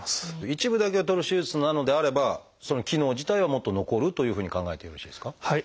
一部だけをとる手術なのであればその機能自体はもっと残るというふうに考えてよろしいですか？